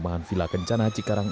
nah hasilnya suami kan tiga puluh lima